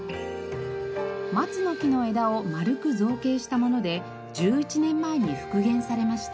松の木の枝を丸く造形したもので１１年前に復元されました。